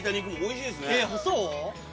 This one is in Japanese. そう？